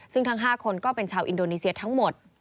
ซึ่งทั้ง๕คนก็เป็นชาวอินโดนีเซียทั้งหมด